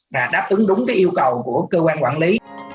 và đáp ứng đúng yêu cầu của cơ quan quản lý